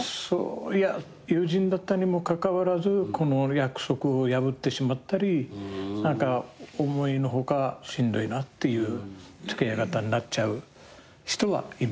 いや友人だったにもかかわらず約束を破ってしまったり思いの外しんどいなっていう付き合い方になっちゃう人はいましたね。